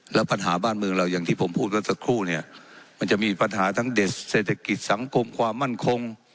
แล้วปัญหาบ้านเมืองเราอย่างที่ผมพูดเมื่อสักครู่เนี่ยมันจะมีปัญหาทั้งเด็ดเศรษฐกิจสังคมความมั่นคง